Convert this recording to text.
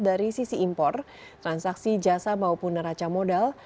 dari sisi impor transaksi jasa maupun neraca modal